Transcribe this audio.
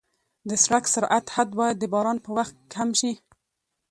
د سړک سرعت حد باید د باران په وخت کم شي.